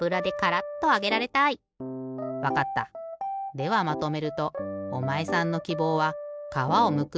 ではまとめるとおまえさんのきぼうは「かわをむく」